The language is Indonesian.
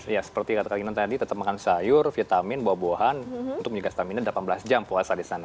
ya seperti kata kang tadi tetap makan sayur vitamin buah buahan untuk menjaga stamina delapan belas jam puasa di sana